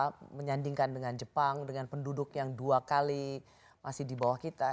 kita menyandingkan dengan jepang dengan penduduk yang dua kali masih di bawah kita